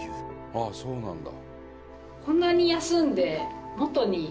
あっそうなんだ。